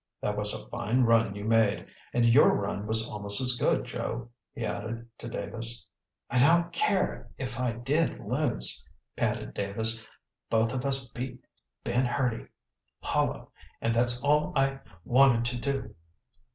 "That was a fine run you made. And your run was almost as good, Joe," he added, to Davis. "I don't care if I did lose," panted Davis. "Both of us beat Ben Hurdy hollow, and that's all I wanted to do."